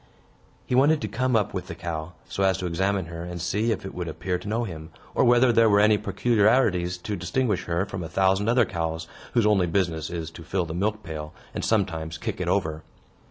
He wanted to come up with the cow, so as to examine her, and see if she would appear to know him, or whether there were any peculiarities to distinguish her from a thousand other cows, whose only business is to fill the milk pail, and sometimes kick it over.